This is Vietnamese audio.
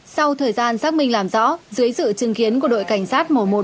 sau thời gian xác minh làm rõ dưới sự chứng kiến của đội cảnh sát một trăm một mươi hai